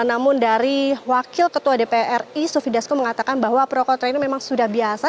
namun dari wakil ketua dpr ri sufi dasko mengatakan bahwa pro kontra ini memang sudah biasa